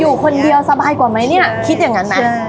อยู่คนเดียวสบายกว่าไหมเนี่ยคิดอย่างนั้นนะ